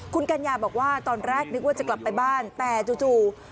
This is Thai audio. คุณกัญญาบอกว่าตอนแรกนึกว่าจะกลับไปบ้านแต่จู่